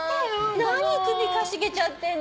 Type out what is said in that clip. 何首かしげちゃってんの？